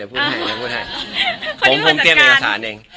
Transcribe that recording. ผมเตรียมเอกสารเอง